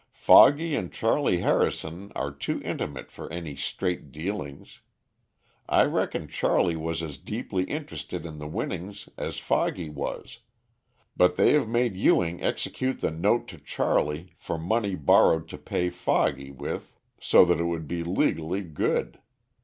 "Foggy and Charley Harrison are too intimate for any straight dealings. I reckon Charley was as deeply interested in the winnings as Foggy was, but they have made Ewing execute the note to Charley for money borrowed to pay Foggy with so that it would be legally good.